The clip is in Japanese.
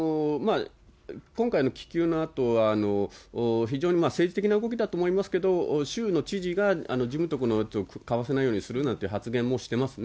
今回の気球のあとは、非常に政治的な動きだと思いますけど、州の知事が自分たちの土地を買わせないようにしようという発言もしてますね。